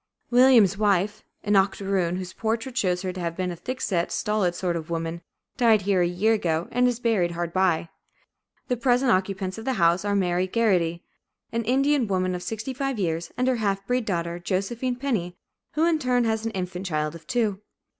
Williams's wife, an octoroon, whose portrait shows her to have been a thick set, stolid sort of woman, died here, a year ago, and is buried hard by. The present occupants of the house are Mary Garritty, an Indian woman of sixty five years, and her half breed daughter, Josephine Penney, who in turn has an infant child of two.